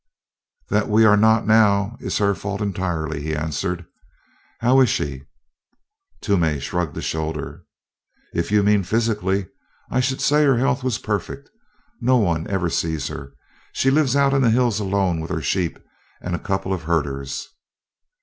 "That we are not now is her fault entirely," he answered. "How is she?" Toomey shrugged a shoulder. "If you mean physically I should say her health was perfect. No one ever sees her. She lives out in the hills alone with her sheep and a couple of herders."